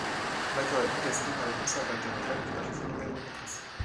L'accord est contesté par les conservateurs grecs du parti Nouvelle démocratie.